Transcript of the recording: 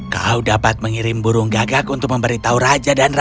kau dapat mengirim burung gagak untuk memberitahu raja dan ratu